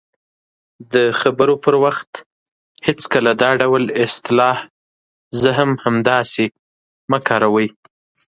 -د خبرو پر وخت هېڅکله دا ډول اصطلاح"زه هم همداسې" مه کاروئ :